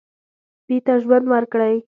سپي ته ژوند ورکړئ.